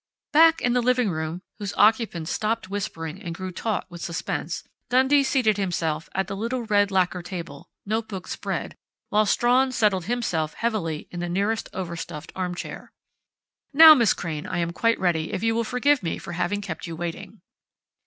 Back in the living room, whose occupants stopped whispering and grew taut with suspense, Dundee seated himself at a little red lacquer table, notebook spread, while Strawn settled himself heavily in the nearest overstuffed armchair. "Now, Miss Crain, I am quite ready, if you will forgive me for having kept you waiting."